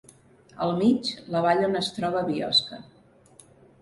Al mig, la vall on es troba Biosca.